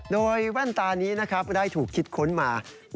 โดยแว่นตานี้นะครับได้ถูกคิดค้นมา